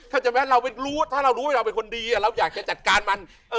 ถ้าเรารู้ว่าเราเป็นคนดีเราอยากจะจัดการมัน